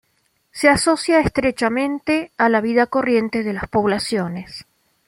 Se asocia estrechamente a la vida corriente de las poblaciones.